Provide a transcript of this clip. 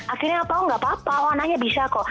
akhirnya tidak apa apa anaknya bisa kok